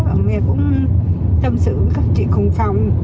ở mẹ cũng tâm sự với các chị cùng phòng